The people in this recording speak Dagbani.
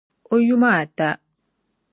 O yuma ata.